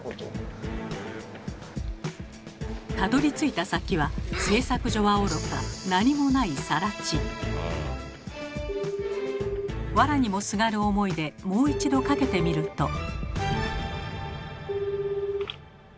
たどりついた先は製作所はおろか何もないわらにもすがる思いでもう一度かけてみると。